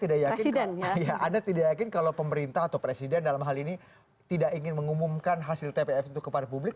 anda yakin anda tidak yakin kalau pemerintah atau presiden dalam hal ini tidak ingin mengumumkan hasil tpf itu kepada publik